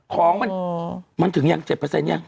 ของมันถึงยัง๗ยัง